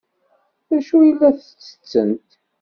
D acu ay la ttettent?